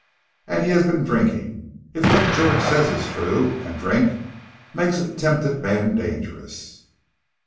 And he has been drinking, if what George says is true; and drink makes a tempted man dangerous.